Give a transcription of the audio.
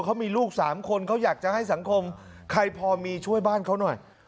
เขามีลูก๓คนเขาอยากจะให้สังคมใครพอมีช่วยบ้านเขาหน่อย